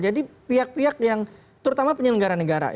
jadi pihak pihak yang terutama penyelenggara negara